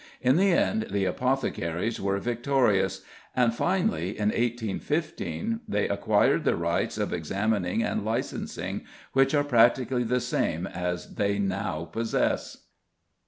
In the end the apothecaries were victorious; and finally, in 1815, they acquired the rights of examining and licensing, which are practically the same as they now possess.